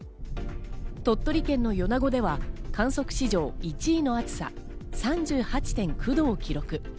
鳥取県の米子では観測史上１位の暑さ、３８．９度を記録。